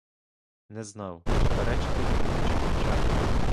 Не знав, чи перечити йому, чи мовчати.